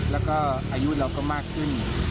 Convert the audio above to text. แล้วก็อายุเราก็มากขึ้น